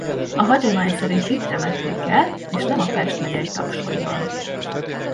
A hagyomány szerint itt temették el és nem a Pest megyei Taksonyban.